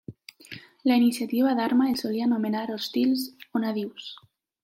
La Iniciativa Dharma els solia anomenar Hostils o Nadius.